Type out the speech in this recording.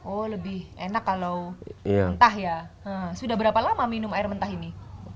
oh lebih enak kalau mentah ya sudah berapa lama minum air mentah ini